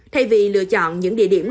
thay vì lựa chọn những địa điểm